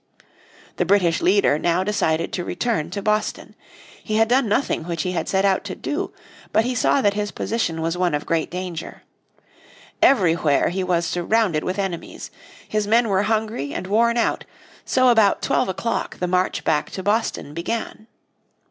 The British leader now decided to return to Boston. He had done nothing which he had set out to do. But he saw this his position was one of great danger. Everywhere he was surrounded with enemies. His men were hungry and worn out, so about twelve o'clock the march back to Boston began.